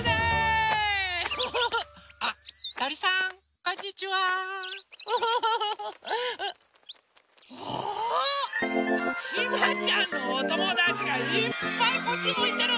あひまちゃんのおともだちがいっぱいこっちむいてる。